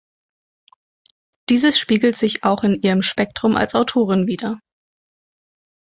Dieses spiegelt sich auch in ihrem Spektrum als Autorin wider.